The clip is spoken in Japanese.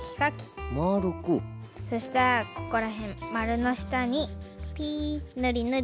そしたらここらへんまるのしたにピぬりぬり。